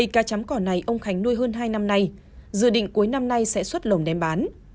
hai mươi cá chám cỏ này ông khánh nuôi hơn hai năm nay dự định cuối năm nay sẽ xuất lồng đem bán